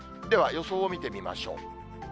では、予想を見てみましょう。